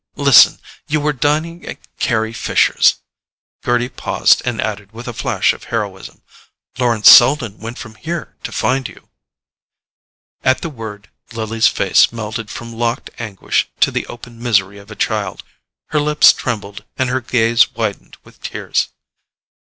Listen—you were dining at Carry Fisher's." Gerty paused and added with a flash of heroism: "Lawrence Selden went from here to find you." At the word, Lily's face melted from locked anguish to the open misery of a child. Her lips trembled and her gaze widened with tears.